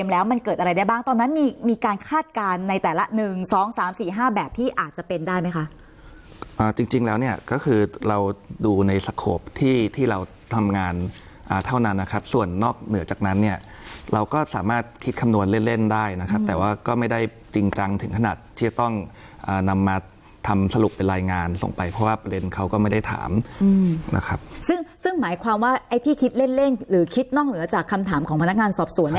แล้วมันเกิดอะไรได้บ้างตอนนั้นมีมีการคาดการณ์ในแต่ละหนึ่งสองสามสี่ห้าแบบที่อาจจะเป็นได้ไหมคะอ่าจริงจริงแล้วเนี่ยก็คือเราดูในสครบที่ที่เราทำงานอ่าเท่านั้นนะครับส่วนนอกเหนือจากนั้นเนี่ยเราก็สามารถคิดคำนวณเล่นเล่นได้นะครับแต่ว่าก็ไม่ได้จริงจังถึงขนาดที่จะต้องอ่านำมาทำสรุปเป็นร